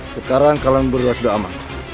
sekarang kalian berdua sudah aman